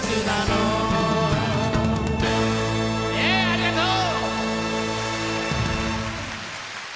ありがとう！